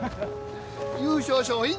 優勝賞品